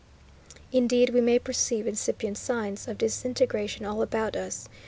Indeed we may perceive incipient signs of disintegration all about us.